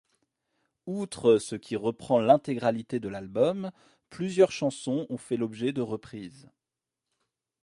Outre ce qui reprend l'intégralité de l'album, plusieurs chansons ont fait l'objet de reprises.